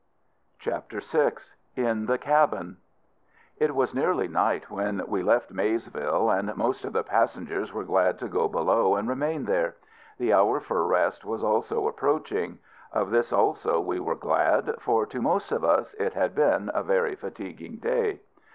CHAPTER VI. IN THE CABIN. It was nearly night when we left Maysville, and most of the passengers were glad to go below, and remain there. The hour for rest was also approaching: of this also we were glad; for, to most of us, it had been a very fatiguing day.